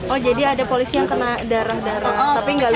oh jadi ada polisi yang kena darah darah